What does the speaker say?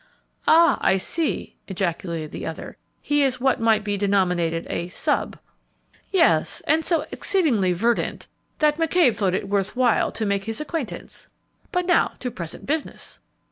"Ah, I see!" ejaculated the other; "he is what might be denominated a 'sub.'" "Yes; and so exceedingly verdant that McCabe thought it worth while to make his acquaintance. But now to present business!"